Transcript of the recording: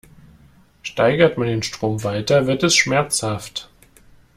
Steigert man den Strom weiter, wird es schmerzhaft.